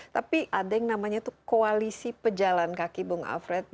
tapi ada yang namanya itu koalisi pejalan kaki bung alfred